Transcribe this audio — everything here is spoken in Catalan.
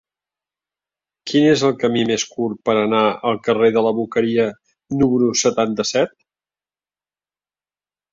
Quin és el camí més curt per anar al carrer de la Boqueria número setanta-set?